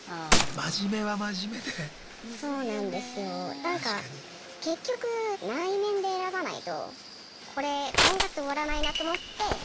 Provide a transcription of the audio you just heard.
何か結局内面で選ばないとこれ婚活終わらないなと思って。